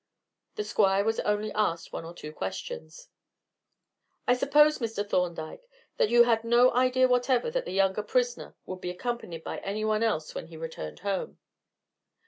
The Squire was only asked one or two questions. "I suppose, Mr. Thorndyke, that you had no idea whatever that the younger prisoner would be accompanied by anyone else when he returned home?"